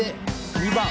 ２番。